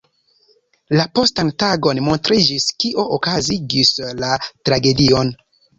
La postan tagon montriĝis, kio okazigis la tragedion.